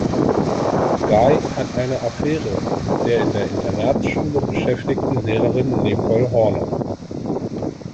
Guy hat eine Affäre mit der in der Internatsschule beschäftigten Lehrerin Nicole Horner.